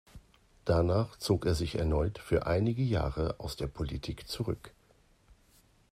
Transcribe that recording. Danach zog er sich erneut für einige Jahre aus der Politik zurück.